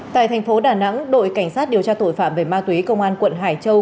tại thành phố đà nẵng đội cảnh sát điều tra tội phạm về ma túy công an quận hải châu